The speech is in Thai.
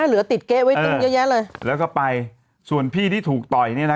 เหลือติดเก๊ะไว้ติ้งเยอะแยะเลยแล้วก็ไปส่วนพี่ที่ถูกต่อยเนี่ยนะ